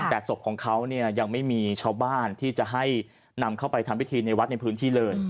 แต่ศพของเขาเนี่ยยังไม่มีชาวบ้านที่จะให้นำเข้าไปทำพิธีในวัดในพื้นที่เลย